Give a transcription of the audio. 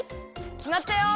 きまったよ！